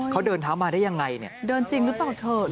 เขาเดินเท้ามาได้ยังไงเนี่ยเดินจริงหรือเปล่าเถอะ